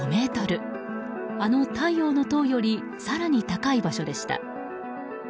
あの太陽の塔より更に高い場所でした。